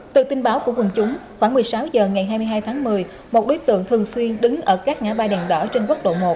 từ tin báo của quân chúng khoảng một mươi sáu giờ ngày hai mươi hai tháng một mươi một đối tượng thường xuyên đứng ở các ngã bay đèn đỏ trên quốc độ một